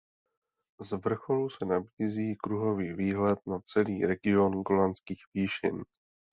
Z vrcholu se nabízí kruhový výhled na celý region Golanských výšin.